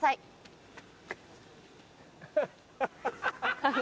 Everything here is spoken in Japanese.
ハハハ！